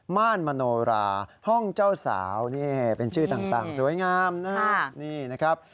ม่านมโนราห้องเจ้าสาวเป็นชื่อต่างสวยงามนะครับ